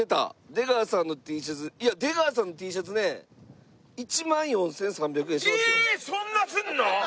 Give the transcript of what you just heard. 出川さんのＴシャツいや出川さんのＴシャツね１万４３００円しますよ。